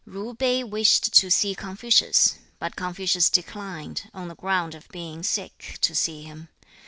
Zu Pei wished to see Confucius, but Confucius declined, on the ground of being sick, to see him.